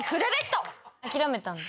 諦めたんだ。